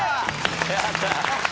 やった！